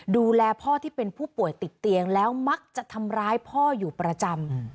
ดูแลพ่อที่เป็นผู้ป่วยติดเตียงแล้วมักจะทำร้ายพ่ออยู่ประจำ